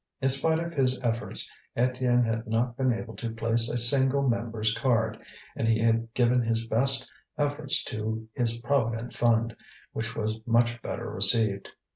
In spite of his efforts, Étienne had not been able to place a single member's card, and he had given his best efforts to his Provident Fund, which was much better received.